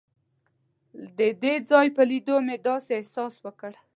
د دې ځای په لیدو مې داسې احساس وکړ.